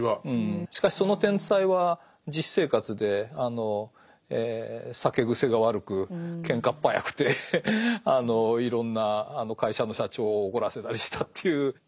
しかしその天才は実生活で酒癖が悪くケンカっぱやくていろんな会社の社長を怒らせたりしたっていう。